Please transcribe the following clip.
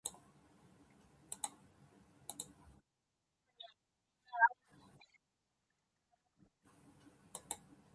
久々に友人に会い、話が盛り上がりました。